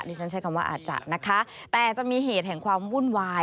ฉันใช้คำว่าอาจจะนะคะแต่จะมีเหตุแห่งความวุ่นวาย